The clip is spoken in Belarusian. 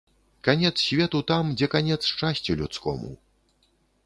Канец свету там, дзе канец шчасцю людскому.